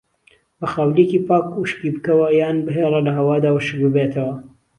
بە خاولیەکی پاک وشکی بکەوە یان بهێڵە لەهەوادا وشک ببێتەوە.